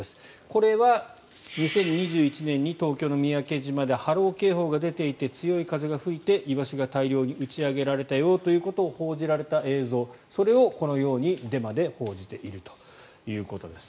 これは２０２１年に東京の三宅島で波浪警報が出ていて強い風が吹いてイワシが大量に打ち上げられたよということを報じられた映像それをこのようにデマで報じているということです。